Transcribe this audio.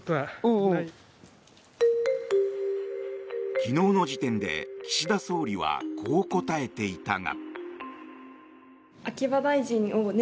昨日の時点で岸田総理はこう答えていたが。